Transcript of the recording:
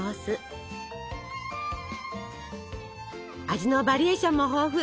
味のバリエーションも豊富。